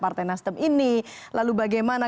partai nasdem ini lalu bagaimana